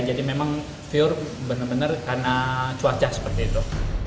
jadi memang view benar benar karena cuaca seperti itu